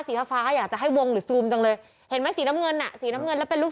ฟ้าฟ้าอยากจะให้วงหรือซูมจังเลยเห็นไหมสีน้ำเงินน่ะสีน้ำเงินแล้วเป็นลูก